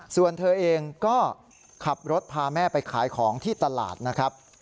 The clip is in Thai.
ส่วนเธอเองก็ขับรถพาแม่ไปขายของที่ตลาดนะครับ